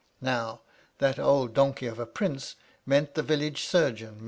Now "that old donkey of a Prince" meant the village surgeon, 'SLt.